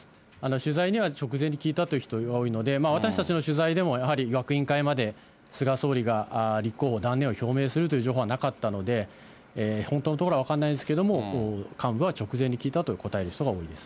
取材には直前に聞いたという人が多いので、私たちの取材でも、やはり役員会まで菅総理が立候補断念を表明するという情報はなかったので、本当のところは分からないんですけれども、幹部は直前に聞いたと答える人が多いです。